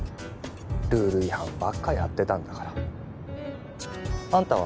ルール違反ばっかやってたんだからあんたは？